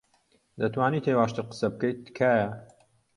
دەتوانیت هێواشتر قسە بکەیت، تکایە؟